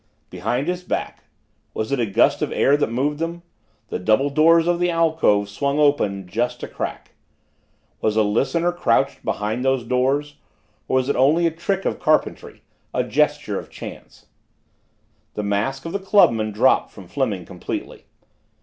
Behind his back was it a gust of air that moved them? the double doors of the alcove swung open just a crack. Was a listener crouched behind those doors or was it only a trick of carpentry a gesture of chance? The mask of the clubman dropped from Fleming completely.